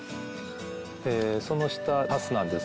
その下ハスなんです。